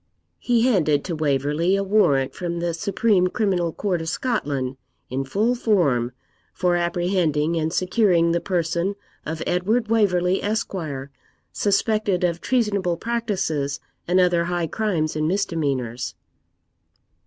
He handed to Waverley a warrant from the Supreme Criminal Court of Scotland, in full form, for apprehending and securing the person of Edward Waverley, Esq., suspected of treasonable practices and other high crimes and misdemeanours.